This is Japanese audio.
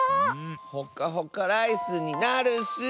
ほかほかライスになるッス。